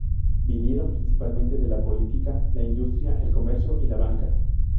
Vinieron principalmente de la política, la industria, el comercio y la banca.